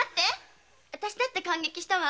私だって感激したわ